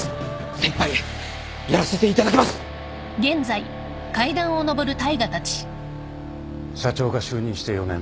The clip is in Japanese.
精いっぱいやらせていただきます！社長が就任して４年。